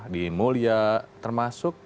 di mulya termasuk